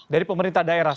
dari pemerintah daerah